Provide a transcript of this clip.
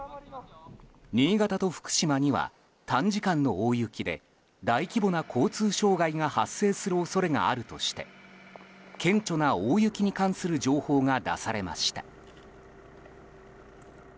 新潟と福島には短時間の大雪で大規模な交通障害が発生する恐れがあるとして顕著な大雪に関する情報が出されました。